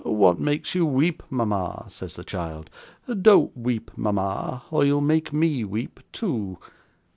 "What makes you weep, mama?" says the child. "Don't weep, mama, or you'll make me weep too!"